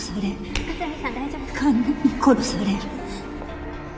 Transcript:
殺される？